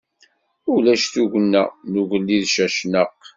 Ulac tugna n ugellid Cacnaq.